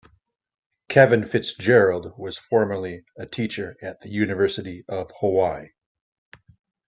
Kevin Fitzgerald was formerly a teacher at the University of Hawaii.